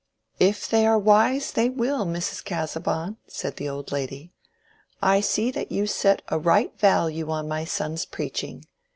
"If they are wise they will, Mrs. Casaubon," said the old lady. "I see that you set a right value on my son's preaching.